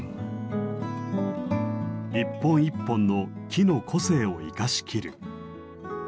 一本一本の木の個性を生かしきる。